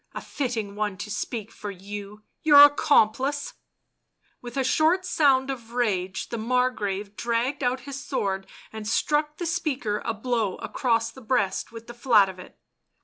" A fitting one to speak for you — your accomplice !" With a short sound of rage the Margrave dragged out his sword and struck the speaker a blow across the breast with the flat of it.